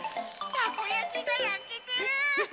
たこやきがやけてる！